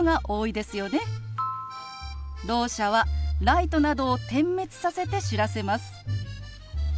ろう者はライトなどを点滅させて知らせます。